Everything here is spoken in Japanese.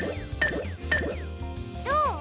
どう？